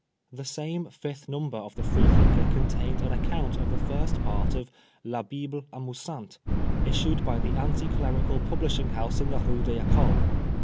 The same fifth number of the Freethinker contained an account of the first part of " La Bible Amusante," issued by the Anti Clerical publishing house in the Rue des Ecoles.